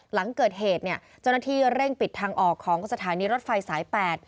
หลังเกิดเหตุเนี่ยเจ้าหน้าที่เร่งปิดทางออกของสถานีรถไฟสายแปด